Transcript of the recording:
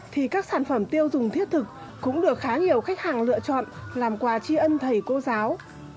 thì các sản phẩm tiêu dùng thiết thực cũng được khá nhiều khách hàng lựa chọn làm quà tri ân thầy cô giáo